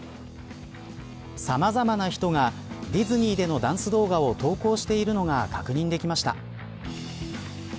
さまざまな人がディズニーでのダンス動画を投稿しているのが確認できました。